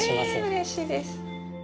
えぇ、うれしいです。